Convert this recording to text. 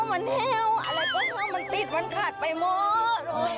มันแห้วอะไรก็แห้วมันติดมันขาดไปหมด